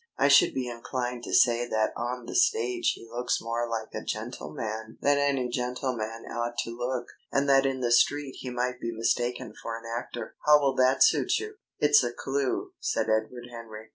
I should be inclined to say that on the stage he looks more like a gentleman than any gentleman ought to look, and that in the street he might be mistaken for an actor.... How will that suit you?" "It's a clue," said Edward Henry.